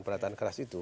kenatan keras itu